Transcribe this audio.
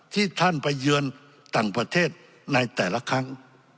ที่ท่านไปเยือนต่างประเทศในแต่ละครั้ง